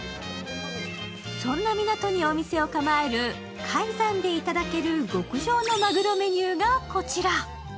そんな港にお店を構える海山でいただける極上のマグロメニューがこちら。